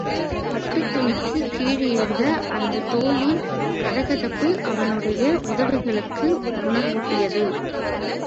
பட்டுத் துணிக்குக் கீழேயிருந்த அந்தத் தோளின் கதகதப்பு அவனுடைய உதடுகளுக்கு உணர்வூட்டியது.